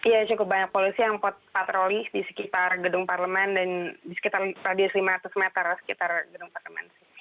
ya cukup banyak polisi yang patroli di sekitar gedung parlemen dan di sekitar radius lima ratus meter sekitar gedung parlemen